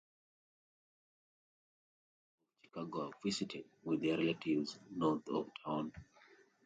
Katie and Annabel Fallon of Chicago are visiting with their relatives north of town.